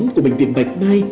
của bệnh viện bạch mai